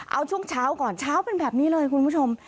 เอาช่วงเช้าก่อนเช้าเป็นแบบนี้เลยคุณผู้ชม